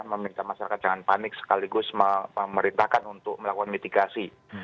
meminta masyarakat jangan panik sekaligus memerintahkan untuk melakukan mitigasi